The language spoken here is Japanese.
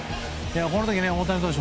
この時、大谷投手